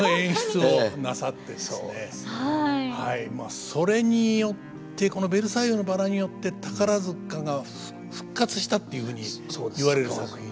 まあそれによってこの「ベルサイユのばら」によって宝塚が復活したっていうふうに言われる作品ですね。